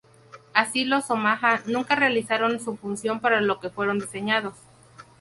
Así, los "Omaha" nunca realizaron su función para lo que fueron diseñados.